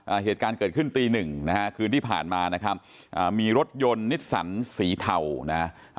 เหตุการณ์เกิดขึ้นตีหนึ่งนะฮะคืนที่ผ่านมานะครับอ่ามีรถยนต์นิสสันสีเทานะฮะ